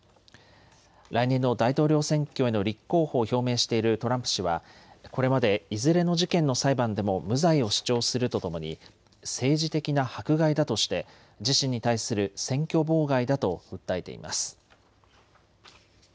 来年の大統領選挙への立候補を表明しているトランプ氏はこれまでいずれの事件の裁判でも無罪を主張するとともに政治的な迫害だとして自身に対する選挙妨害だと訴えています。